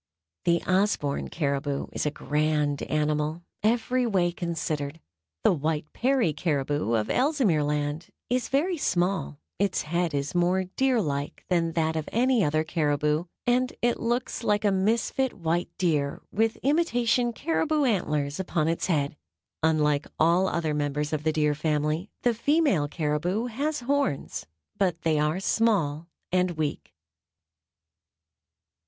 The Osborn caribou is a grand animal, every way considered. The white Peary caribou, of Ellesmere Land, is very small, its head is more deer like than that of any other caribou, and it looks like a misfit white deer with imitation caribou antlers upon its head. Unlike all other members of the Deer Family, the female caribou has horns; but they are small and weak.